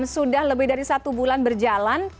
sudah lebih dari satu bulan berjalan